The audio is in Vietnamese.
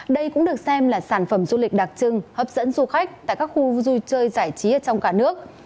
đây cũng được xem là sản phẩm du lịch đặc trưng hấp dẫn du khách tại các khu vui chơi giải trí ở trong cả nước